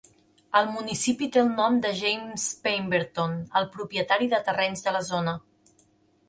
El municipi té el nom de James Pemberton, el propietari de terrenys de la zona.